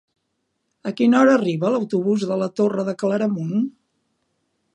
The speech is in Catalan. A quina hora arriba l'autobús de la Torre de Claramunt?